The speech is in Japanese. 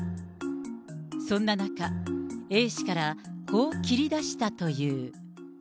そんな中、Ａ氏からこう切り出したという。